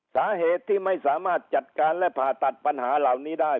สาเหตุที่ไม่สามารถจัดการและผ่าตัดปัญหาเหล่านี้ได้